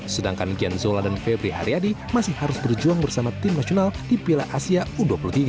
sedangkan gian zola dan febri haryadi masih harus berjuang bersama tim nasional di piala asia u dua puluh tiga